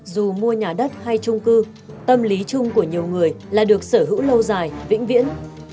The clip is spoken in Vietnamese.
dù mua nhà đất hay trung cư tâm lý chung của nhiều người là được sở hữu lâu dài vĩnh viễn